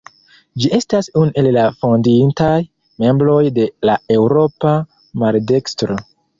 Ĝi estas unu el la fondintaj membroj de la Eŭropa Maldekstro.